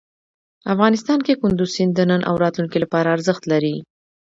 افغانستان کې کندز سیند د نن او راتلونکي لپاره ارزښت لري.